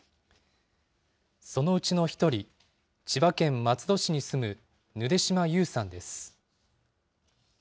そのうちの一人、千葉県松戸市に住むぬで島優さんです。